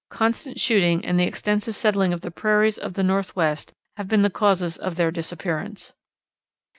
Constant shooting and the extensive settling of the prairies of the Northwest have been the causes of their disappearance.